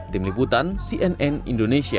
tim liputan cnn indonesia